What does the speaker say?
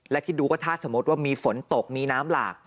และคิดดูก็ถ้าสมมติว่ามีฝนตกมีน้ำหลาก